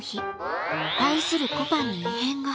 愛するこぱんに異変が。